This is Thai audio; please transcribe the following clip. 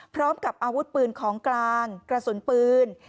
พร้อมกับอาวุธปืนของกลางกระสุนปืน